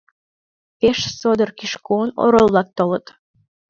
Пеш содор Кишкон, орол-влак толыт.